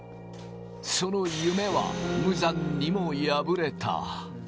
その夢は無残にも敗れた。